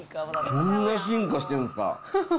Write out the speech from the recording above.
こんな進化してんすか。